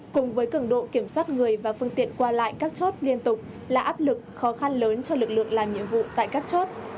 cùng với cường độ kiểm soát người và phương tiện qua lại các chốt liên tục là áp lực khó khăn lớn cho lực lượng làm nhiệm vụ tại các chốt